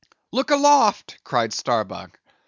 "Look aloft!" cried Starbuck.